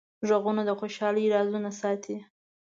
غوږونه د خوشحالۍ رازونه ساتي